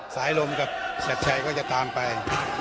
สายลมกับชัดชัยก็จะตามไป